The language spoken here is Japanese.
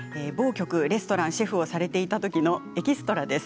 某局のレストランのシェフをされたときのエキストラです。